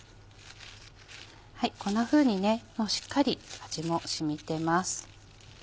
こんなふうにしっかり味も染みてます。